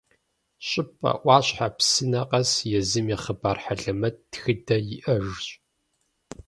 Щӏыпӏэ, ӏуащхьэ, псынэ къэс езым и хъыбар хьэлэмэт, тхыдэ иӏэжщ.